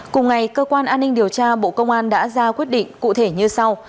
cùng ngày cơ quan an ninh điều tra bộ công an đã ra quyết định cụ thể như sau